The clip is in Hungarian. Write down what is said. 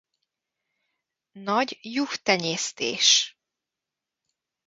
Nagy juhtenyésztés.